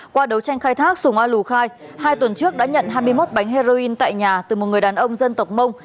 qua đấu tranh khai thác sùng a lù khai hai tuần trước đã nhận hai mươi một bánh heroin tại nhà từ một người đàn ông dân tộc mông